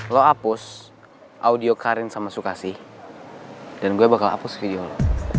lo hapus audio karin sama sukasi dan gue bakal hapus video lo